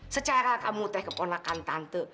secara kamu teh keponakan tante